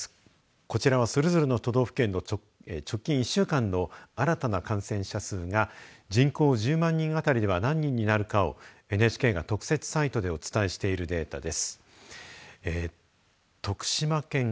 こちらはそれぞれの都道府県の直近１週間の新たな感染者数が人口１０万人当たりでは何人になるかをＮＨＫが特設サイトでお伝えしているデータです。